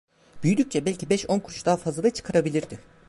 Büyüdükçe belki beş on kuruş daha fazla da çıkarabilirdi.